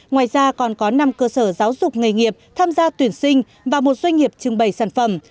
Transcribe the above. ngoài ra còn có năm cơ sở giáo dục nghề nghiệp tham gia tuyển sinh và một doanh nghiệp trưng bày sản phẩm